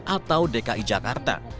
atau dki jakarta